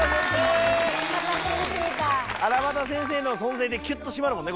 荒俣先生の存在できゅっと締まるもんね